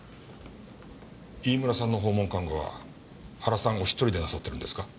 飯村さんの訪問看護は原さんお一人でなさってるんですか？